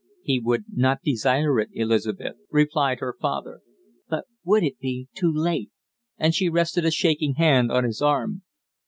"He would not desire it, Elizabeth," replied her father. "But would it be too late?" and she rested a shaking hand on his arm.